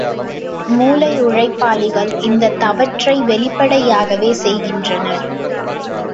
மூளை உழைப்பாளிகள் இந்தத் தவற்றை வெளிப்படையாகவே செய்கின்றனர்.